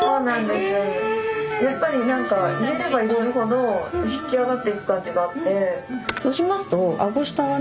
やっぱりなんか入れれば入れるほど引き上がってく感じがあって。